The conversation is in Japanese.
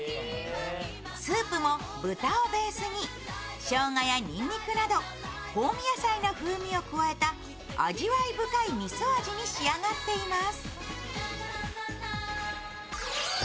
スープも豚をベースにしょうがやにんにくなど香味野菜の風味を加えた味わい深いみそ味に仕上がっています。